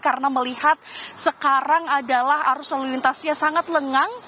karena melihat sekarang adalah arus lalu lintasnya sangat lengang